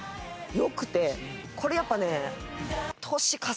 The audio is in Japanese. これやっぱね。